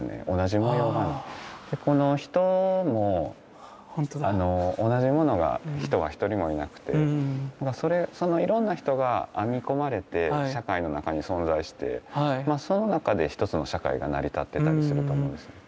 人も同じ人は一人もいなくてそのいろんな人が編み込まれて社会の中に存在してその中で一つの社会が成り立ってたりすると思うんですね。